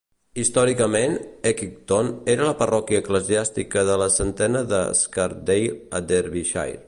Històricament, Eckington era la parròquia eclesiàstica de la centena de Scarsdale a Derbyshire.